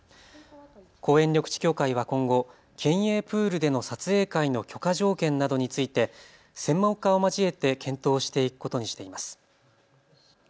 公園緑地協会は今後、県営プールでの撮影会の許可条件などについて専門家を交えて検討していくことにしています。